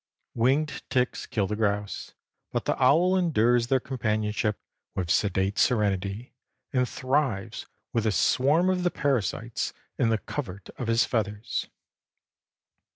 Winged ticks kill the grouse, but the owl endures their companionship with sedate serenity and thrives with a swarm of the parasites in the covert of his feathers.